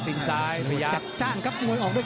ตินซ้ายพยายามจัดจ้านครับมวยออกด้วย